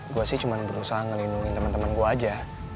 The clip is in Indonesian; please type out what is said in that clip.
gue sih cuma berusaha ngelindungi temen temen gue aja